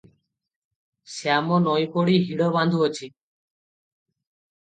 ଶ୍ୟାମ ନଇଁପଡ଼ି ହିଡ଼ ବାନ୍ଧୁଅଛି ।